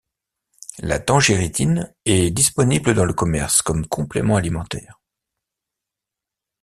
La tangéritine est disponible dans le commerce comme complément alimentaire.